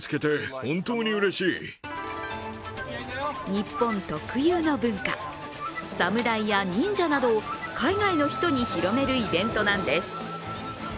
日本特有の文化、侍や忍者などを海外の人に広めるイベントなんです。